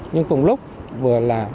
nhưng cùng lúc vừa là